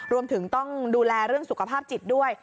รวมถึงต้องดูแลเรื่องสุขภาพจิตด้วย